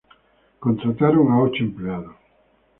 Contrataron a ocho empleados.